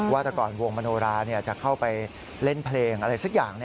แต่ก่อนวงมโนราจะเข้าไปเล่นเพลงอะไรสักอย่าง